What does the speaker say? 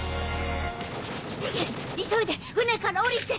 急いで船から降りて！